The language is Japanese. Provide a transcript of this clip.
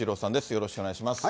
よろしくお願いします。